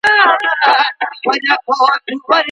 ولې کورني شرکتونه کیمیاوي سره له چین څخه واردوي؟